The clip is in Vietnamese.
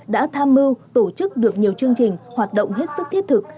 đã tham mưu tổ chức được nhiều chương trình hoạt động hết sức thiết thực